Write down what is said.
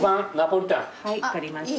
はい分かりました。